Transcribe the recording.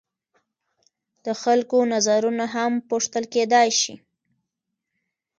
د خلکو نظرونه هم پوښتل کیدای شي.